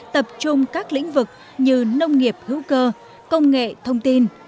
tập trung các lĩnh vực như nông nghiệp hữu cơ công nghệ thông tin